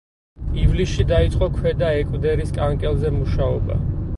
ივლისში დაიწყო ქვედა ეკვდერის კანკელზე მუშაობა.